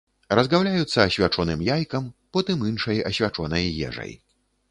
Разгаўляюцца асвячоным яйкам, потым іншай асвячонай ежай.